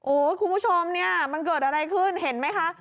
โอ้โหคุณผู้ชมเนี่ยมันเกิดอะไรขึ้นเห็นไหมคะ